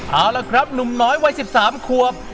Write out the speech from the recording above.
เอาละครับหนุ่มน้อยวัย๑๓ควบ